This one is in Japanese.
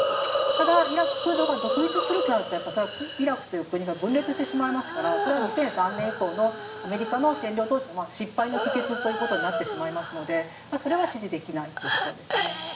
ただクルドが独立するとなるとそれは、イラクという国が分裂してしまいますからそれは２００３年以降のアメリカの占領統治の失敗の帰結という風になってしまいますので支持できないというところです。